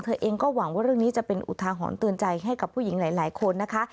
เองก็หวังว่าเรื่องนี้จะเป็นอุทาหรณ์เตือนใจให้กับผู้หญิงหลายคนนะคะ